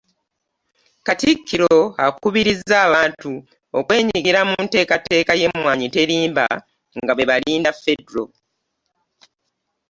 Katikkiro akubirizza abantu okwenyigira mu nteekateeka y'emmwanyi terimba nga bwe balinda ffedero.